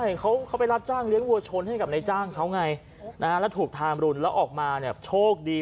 ใช่เขาไปรับจ้างเลี้ยงวัวชนให้กับนายจ้างเขาไงนะฮะแล้วถูกทามรุนแล้วออกมาเนี่ยโชคดี